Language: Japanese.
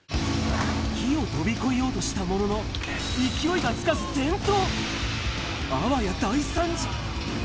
火を飛び越えようとしたものの、勢いがつかず転倒。